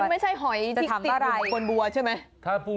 คุณไม่ใช่หอยทิกติกบนบัวใช่ไหมจะถามอะไร